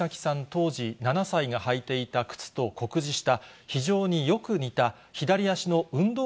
当時７歳が履いていた靴と酷似した非常によく似た左足の運動